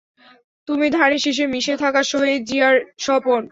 তুমি ধানের শীষে মিশে থাকা শহীদ জিয়ার স্বপন।